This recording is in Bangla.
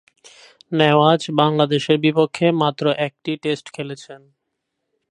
নেওয়াজ বাংলাদেশের বিপক্ষে মাত্র একটি টেস্ট খেলেছেন।